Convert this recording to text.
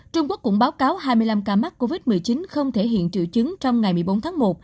trung quốc cũng báo cáo hai mươi năm ca mắc covid một mươi chín không thể hiện triệu chứng trong ngày một mươi bốn tháng một